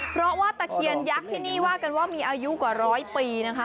เพราะว่าตะเคียนยักษ์ที่นี่ว่ากันว่ามีอายุกว่าร้อยปีนะคะ